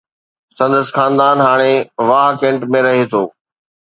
سندس خاندان هاڻي واهه ڪينٽ ۾ رهي ٿو.